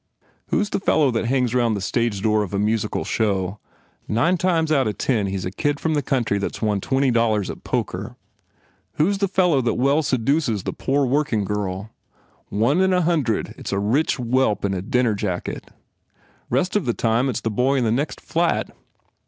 Who s the fellow that hangs round the stage door of a musical show? Nine times out of ten he s a kid from the country that s won twenty dollars at poker. Who s the fellow that well seduces the poor working girl? Once in a hundred it s a rich whelp in a dinner jacket. Rest of the time it s the boy in the next flat.